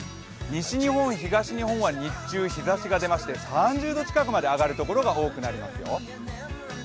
西日本、東日本は日中日ざしが出まして３０度近くまで上がるところが多くなりますよ。